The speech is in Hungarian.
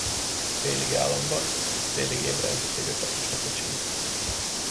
Félig álomban, félig ébren zötyögött a postakocsin.